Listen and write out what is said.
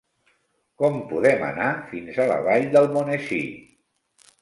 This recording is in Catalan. Com podem anar fins a la Vall d'Almonesir?